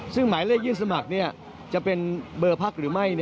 ซึ่งหมายเลขยื่นสมัครจะเป็นเบอร์พักหรือไม่